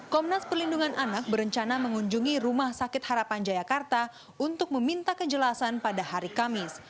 komnas perlindungan anak berencana mengunjungi rumah sakit harapan jayakarta untuk meminta kejelasan pada hari kamis